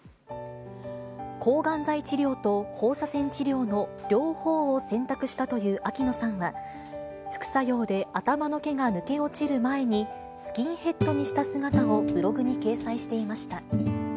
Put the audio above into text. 抗がん剤治療と放射線治療の両方を選択したという秋野さんは、副作用で頭の毛が抜け落ちる前に、スキンヘッドにした姿をブログに掲載していました。